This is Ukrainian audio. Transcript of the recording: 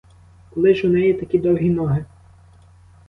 Коли ж у неї такі довгі ноги!